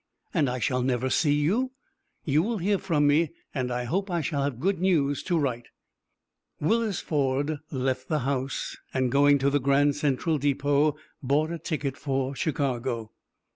"And I shall never see you!" "You will hear from me, and I hope I shall have good news to write." Willis Ford left the house, and, going to the Grand Central Depot, bought a ticket for Chicago.